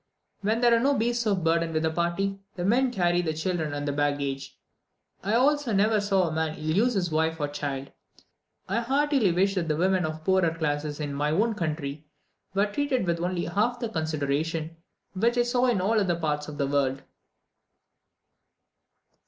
When there are no beasts of burden with the party, the men carry the children and baggage. I also never saw a man ill use his wife or child. I heartily wish that the women of the poorer classes in my own country were treated with only half the consideration which I saw in all other parts of the world.